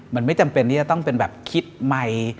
มันไม่จำเป็นที่จะต้องเป็นแบบคิดใหม่